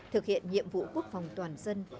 thực hiện nhiệm vụ quốc phòng toàn dân